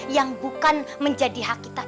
yang bukan menjadi hak kita